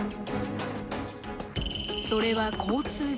それは交通事故。